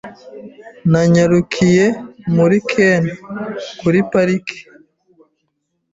Nanyarukiye muri Ken kuri parike.